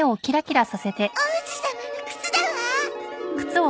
王子様の靴だわ。